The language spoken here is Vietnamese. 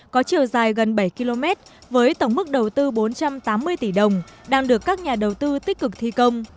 có chiều dài gần bảy km với tổng mức đầu tư bốn trăm tám mươi tỷ đồng đang được các nhà đầu tư tích cực thi công